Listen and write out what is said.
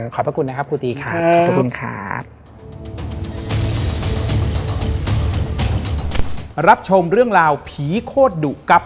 ขอบพระคุณนะครับคุณตีศ์ครับ